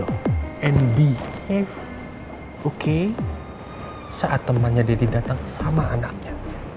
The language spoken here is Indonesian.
and behave okay saat temannya deddy datang sama anaknya